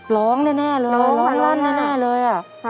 ร้องแน่เลยร้องลั่นแน่เลย